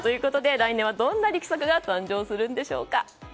来年はどんな力作が誕生するんでしょうか。